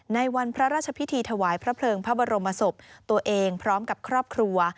ในวันพระราชพิธีถวายพระเพลิงพระบรมศพตัวเองพร้อมกับครอบครัว